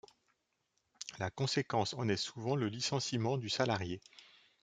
La conséquence en est souvent le licenciement du salarié.